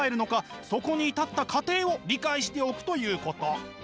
そこに至った過程を理解しておくということ。